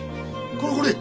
これこれ。